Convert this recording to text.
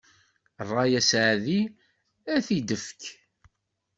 Ṛṛay asaεdi ad t-id-ifk.